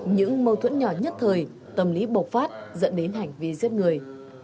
những mâu thuẫn nhỏ nhất thời tâm lý bộc phát dẫn đến hành vi giết người